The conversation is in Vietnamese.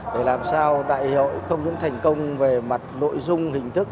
để làm sao đại hội không những thành công về mặt nội dung hình thức